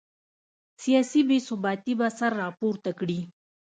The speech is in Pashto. سیاسي بې ثباتي به سر راپورته کړي.